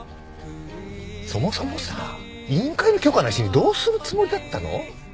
そもそもさ委員会の許可なしにどうするつもりだったの？